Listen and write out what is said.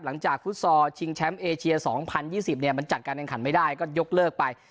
ฟุตซอลชิงแชมป์เอเชีย๒๐๒๐เนี่ยมันจัดการแข่งขันไม่ได้ก็ยกเลิกไป